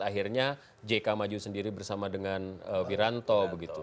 akhirnya jk maju sendiri bersama dengan wiranto begitu